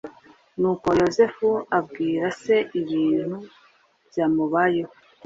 Nuko Yozefu abwira se ibintu byamubayeho